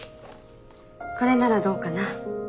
これならどうかな？